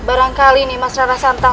barangkali ini mas rara santang